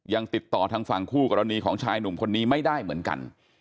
ยังติดต่อทางฝั่งคู่กรณีของชายหนุ่มคนนี้ไม่ได้เหมือนกัน